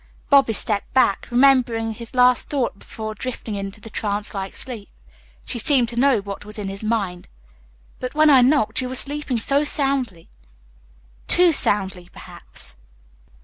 Bobby stepped back, remembering his last thought before drifting into the trance like sleep. She seemed to know what was in his mind. "But when I knocked you were sleeping so soundly." "Too soundly, perhaps."